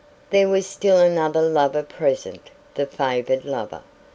There was still another lover present the favoured lover.